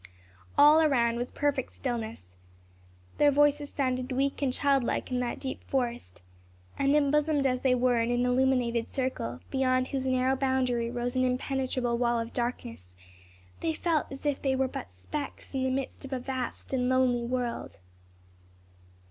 All around was perfect stillness. Their voices sounded weak and childlike in that deep forest; and embosomed as they were in an illuminated circle, beyond whose narrow boundary rose an impenetrable wall of darkness, they felt as if they were but specks in the midst of a vast and lonely world.